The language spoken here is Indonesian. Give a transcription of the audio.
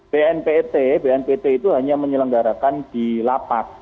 bnpt bnpt itu hanya menyelenggarakan di lapas